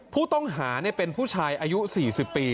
ผู้ต้องหาเป็นผู้ชายอายุ๔๐ปี